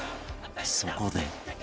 そこで